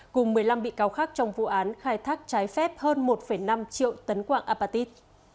cùng một mươi năm bị cáo khác trong vụ án khai thác trái phép hơn một năm triệu tấn quạng apatit